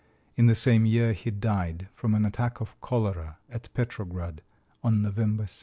In the same year he died from an attack of cholera at Petrograd, on November 6.